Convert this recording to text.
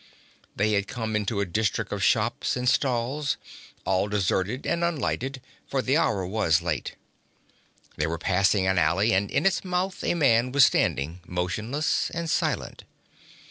They had come into a district of shops and stalls, all deserted and unlighted, for the hour was late. They were passing an alley, and in its mouth a man was standing, motionless and silent.